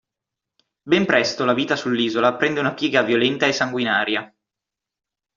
Ben presto la vita sull'Isola prende una piega violenta e sanguinaria.